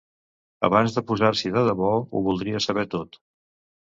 Abans de posar-s'hi de debò ho voldria saber tot.